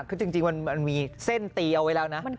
คือจริงมันมีเส้นตีเอาไว้แล้วนะ